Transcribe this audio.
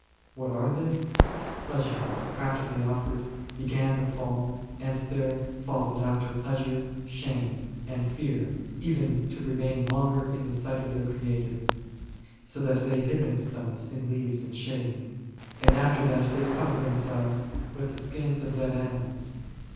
What are they ? Pleasure, craftily offered, be gan the Fall, and there followed after pleasure shame, and fear, even to remain longer in the sight of their Creator, so that they hid them selves in leaves and shade ; and after that they covered themselves with the skins of dead animals ; and.